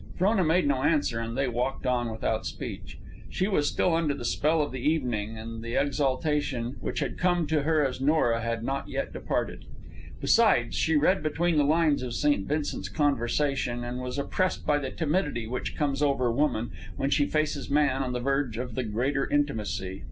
Frona made no answer, and they walked on without speech. She was still under the spell of the evening, and the exaltation which had come to her as Nora had not yet departed. Besides, she read between the lines of St. Vincent's conversation, and was oppressed by the timidity which comes over woman when she faces man on the verge of the greater intimacy.